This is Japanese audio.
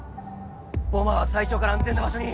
ボマーは最初から安全な場所に。